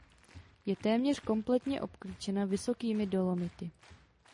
Je téměř kompletně obklíčena vysokými Dolomity.